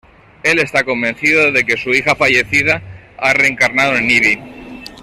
Él está convencido de que su hija fallecida ha reencarnado en Ivy.